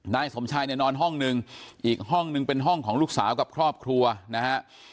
นายสมชายเนี่ยนอนห้องนึงอีกห้องนึงเป็นห้องของลูกสาวกับครอบครัวนะฮะ